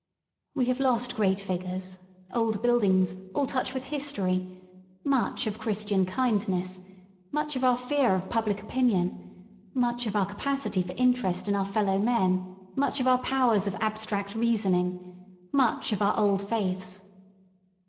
We have lost great figures, old buildings, all touch with history, much of Christian kindness, much of our fear of public opinion, much of our capacity for interest in our fellow men, much of our powers of abs tract reasoning, much of our old faiths.